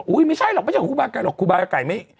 ไม่ใช่หรอกไม่ใช่ของครูบาไก่หรอกครูบาไก่ไม่